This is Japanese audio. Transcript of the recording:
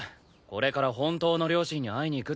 これから本当の両親に会いに行くって。